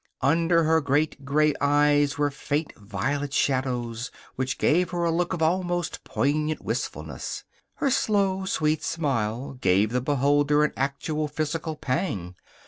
Under her great gray eyes were faint violet shadows which gave her a look of almost poignant wistfulness. Her slow, sweet smile give the beholder an actual physical pang.